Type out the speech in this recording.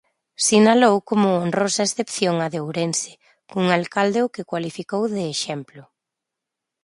Sinalou como "honrosa excepción" a de Ourense, cun alcalde ao que cualificou de "exemplo".